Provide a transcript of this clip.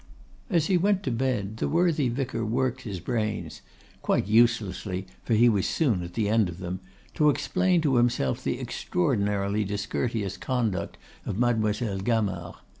As he went to bed the worthy vicar worked his brains quite uselessly, for he was soon at the end of them to explain to himself the extraordinarily discourteous conduct of Mademoiselle Gamard.